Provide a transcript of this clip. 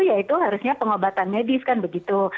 ya itu harusnya pengobatan medis kan begitu